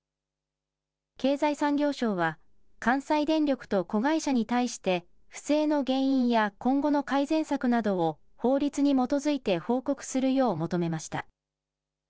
経済産業省は、関西電力と子会社に対して、不正の原因や今後の改善策などを法律に基づいて報告するよう求めました。